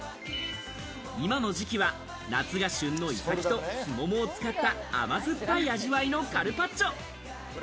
今の時期は、夏が旬のイサキとすももを使った甘酸っぱい味わいのカルパッチョ。